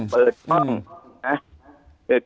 เปิดช่อง